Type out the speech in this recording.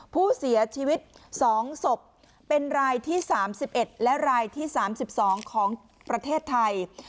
ผู้เสียชีวิต๒ศพเป็นรายที่๓๑และรายที่๓๒ของประเทศไทย